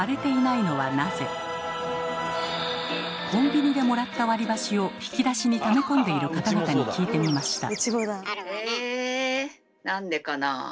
コンビニでもらった割り箸を引き出しにため込んでいる方々に聞いてみました。